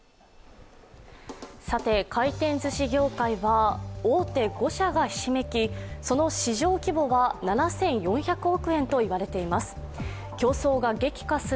回転ずし業界は大手５社がひしめきその市場規模は７４００億円といわれています。